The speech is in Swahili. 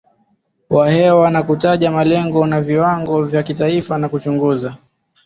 wa hewa na kutaja malengo na viwango vya kitaifa na kuchunguza